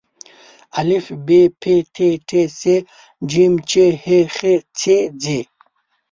ا ب پ ت ټ ث ج چ ح خ څ ځ